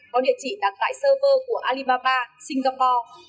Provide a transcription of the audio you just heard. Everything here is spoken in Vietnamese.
báo địa chỉ đặt tại server của alibaba singapore